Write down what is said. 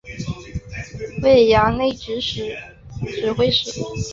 为衙内指挥使。